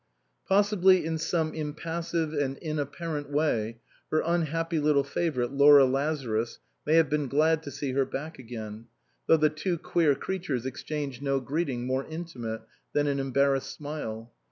Possibly in some impassive and inapparent way her unhappy little favourite Laura Lazarus may have been glad to see her back again, though the two queer creatures exchanged no greeting more intimate than an embarrassed smile.